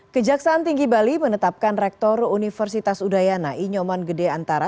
kejaksaan tinggi bali menetapkan rektor universitas udaya nai nyoman gede antara